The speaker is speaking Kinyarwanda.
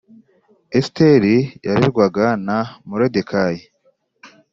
Esiteri yarerwa ga na molodekayi